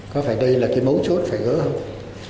có phải đây là cái mấu chốt phải gỡ không